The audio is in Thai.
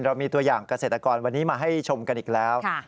เรามีตัวอย่างเกษตรกรวันนี้มาให้ชมกันอีกแล้ว